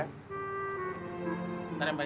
ntar ya mbah